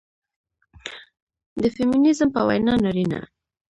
د فيمينزم په وينا نارينه